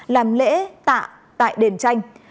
làm lễ tạ tại đền chanh